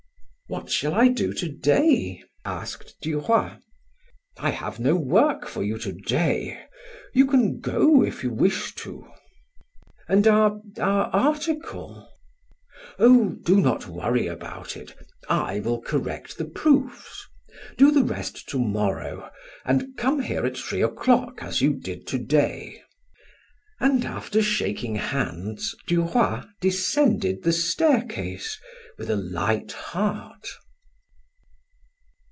"What shall I do to day?" asked Duroy. "I have no work for you to day; you can go if you wish to." "And our our article?" "Oh, do not worry about it; I will correct the proofs. Do the rest to morrow and come here at three o'clock as you did to day." And after shaking hands, Duroy descended the staircase with a light heart.